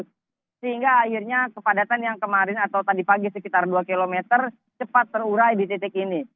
sehingga akhirnya kepadatan yang kemarin atau tadi pagi sekitar dua km cepat terurai di titik ini